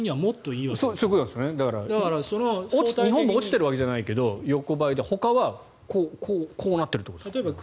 そういうことなんですよね日本も落ちてるわけじゃないけど横ばいで、ほかはこうなっているってことですよね。